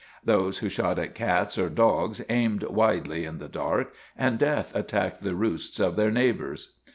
Those who shot at cats or dogs aimed widely in the dark, and death attacked the roosts of their neighbors.